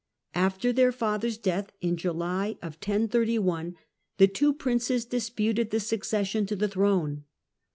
After their father's death in July 1031, the two princes disputed the succession to the throne.